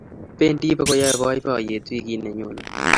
bendi bukoyae boiboyet wikit neyone